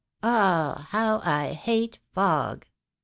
Ah, how I hate fog.